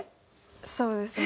そうですね。